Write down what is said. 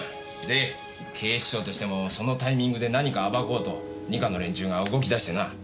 で警視庁としてもそのタイミングで何か暴こうと二課の連中が動き出してな。